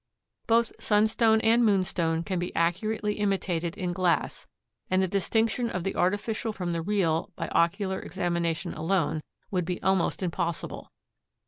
Both sunstone and moonstone can be accurately imitated in glass and the distinction of the artificial from the real by ocular examination alone would be almost impossible.